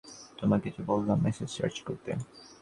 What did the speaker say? তোকে যে বললাম মেসেজ সার্চ করতে।